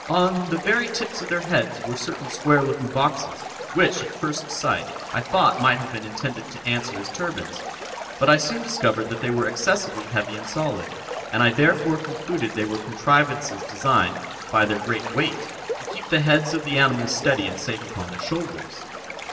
On the very tips of their heads were certain square looking boxes, which, at first sight, I thought might have been intended to answer as turbans, but I soon discovered that they were excessively heavy and solid, and I therefore concluded they were contrivances designed, by their great weight, to keep the heads of the animals steady and safe upon their shoulders.